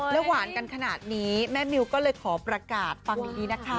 แล้วหวานกันขนาดนี้แม่มิวก็เลยขอประกาศฟังดีนะคะ